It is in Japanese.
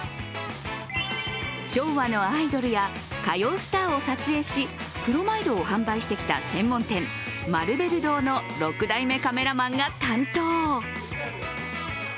昭和のアイドルや歌謡スターを撮影しプロマイドを販売してきた専門店・マルベル堂の６代目カメラマンが担当。